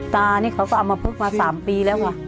ตานี่เขาก็เอามาพึกมา๓ปีแล้วไง